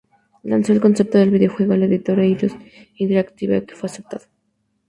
Lanzó el concepto del videojuego al editor Eidos Interactive, que fue aceptado.